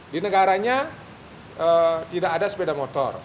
di negaranya tidak ada sepeda motor